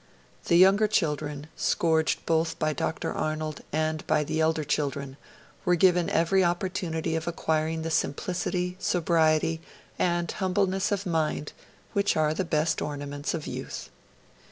The younger children, scourged both by Dr Arnold and by the elder children, were given every opportunity of acquiring the simplicity, sobriety, and humbleness of mind, which are the best ornaments of youth.